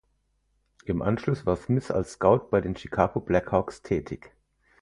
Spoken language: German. Im Anschluss war Smith als Scout bei den Chicago Blackhawks tätig.